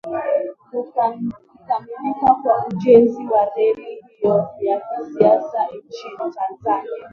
Kukamilika kwa ujenzi wa reli hiyo ya kisasa nchini Tanzania